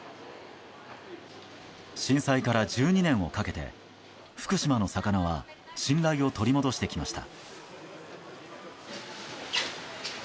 震災から１２年をかけて福島の魚は信頼を取り戻してきました。